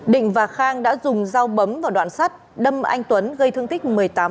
định và khang đã dùng dao bấm vào đoạn sắt đâm anh tuấn gây thương tích một mươi tám